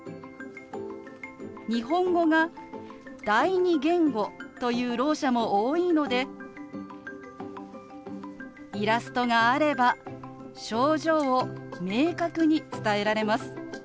日本語が第二言語というろう者も多いのでイラストがあれば症状を明確に伝えられます。